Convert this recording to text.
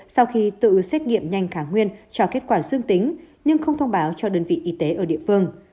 sau khi tự xét nghiệm nhanh khả nguyên cho kết quả dương tính nhưng không thông báo cho đơn vị y tế ở địa phương